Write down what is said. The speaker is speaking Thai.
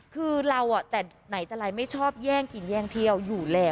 คือเราแต่ไหนแต่ไรไม่ชอบแย่งกินแย่งเที่ยวอยู่แล้ว